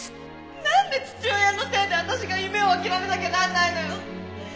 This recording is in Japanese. なんで父親のせいで私が夢を諦めなきゃなんないのよ！